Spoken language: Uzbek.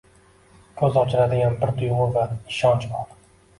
ko'z ochdiradigan bir tuyg'u va ishonch bor